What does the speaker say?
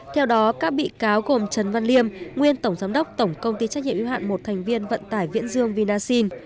theo đó các bị cáo gồm trần văn liêm nguyên tổng giám đốc tổng công ty trách nhiệm yêu hạn một thành viên vận tải viễn dương vinasin